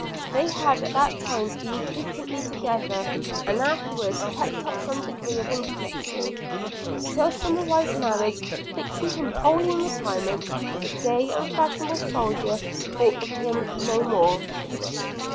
They had at that time been frequently together, and afterwards kept up some degree of intimacy, till Somerive's marriage fixing him wholly in retirement, the gay and fashionable soldier thought of him no more.